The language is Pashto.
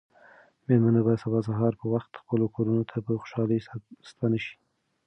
مېلمانه به سبا سهار په وخت خپلو کورونو ته په خوشحالۍ ستانه شي.